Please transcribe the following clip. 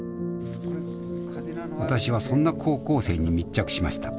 私はそんな高校生に密着しました。